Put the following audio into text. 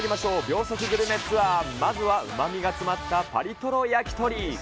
秒速グルメツアー、まずはうまみが詰まったパリトロ焼き鳥。